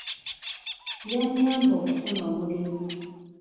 Yannyamba okufuna omulimu.